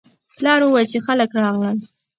پلار وویل چې خلک راغلل.